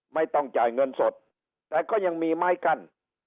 ไม่ต้องจ่ายเงินสดแต่ก็ยังมีไม้กั้น